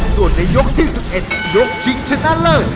ส่วนในยกที่๑๑ยกชิงชนะเลิศ